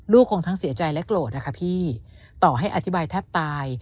คงทั้งเสียใจและโกรธนะคะพี่ต่อให้อธิบายแทบตาย